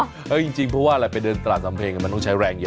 เอาจริงเพราะว่าอะไรไปเดินตลาดสำเพงมันต้องใช้แรงเยอะ